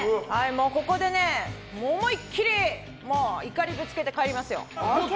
ここで思い切り怒りをぶつけて帰りますよ。